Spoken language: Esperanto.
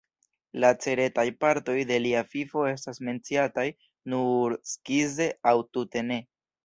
La ceteraj partoj de lia vivo estas menciataj nur skize aŭ tute ne.